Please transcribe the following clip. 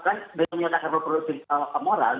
dan menyatakan revolusi moral